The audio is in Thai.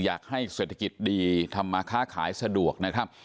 อยากให้เศรษฐกิจดีทำมาค้าขายสะดวกนะครับ